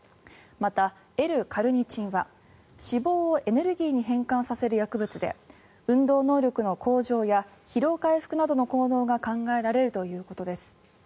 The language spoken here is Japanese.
また、Ｌ−カルニチンは脂肪をエネルギーに変換させる薬物で運動能力の向上や疲労回復などの効能が考えられるということです。